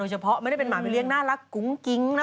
ใช่สิมันต้องเอางัดกรามอ่ะ